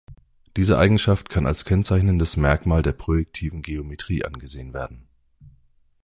Diese Eigenschaft kann als kennzeichnendes Merkmal der projektiven Geometrie angesehen werden.